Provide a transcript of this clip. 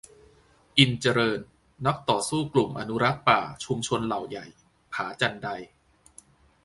อินทร์เจริญ นักต่อสู้กลุ่มอนุรักษ์ป่าชุมชนเหล่าใหญ่-ผาจันได